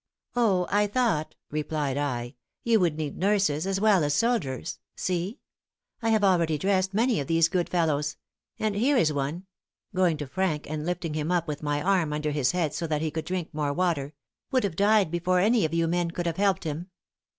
' "'Oh, I thought,' replied I, 'you would need nurses as well as soldiers. See! I have already dressed many of these good fellows; and here is one' going to Frank and lifting him up with my arm under his head so that he could drink some more water 'would have died before any of you men could have helped him.'